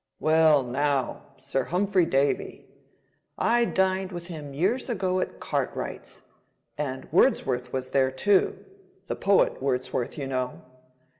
"Well, now, Sir Humphry Davy; I dined with him years ago at Cartwright's, and Wordsworth was there too—the poet Wordsworth, you know.